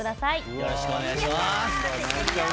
よろしくお願いします。